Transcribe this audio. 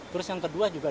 terus yang kedua